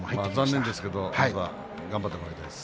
残念ですが頑張ってもらいたいと思います。